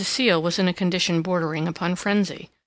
Seal was in a condition bordering upon frenzy.